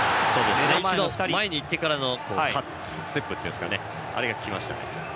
一度前に行ってからのステップあれが効きました。